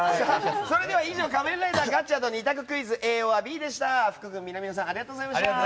以上、仮面ライダーガッチャード２択クイズＡｏｒＢでした。